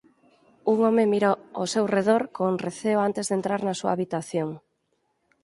Un home mira ó seu redor con receo antes de entrar na súa habitación.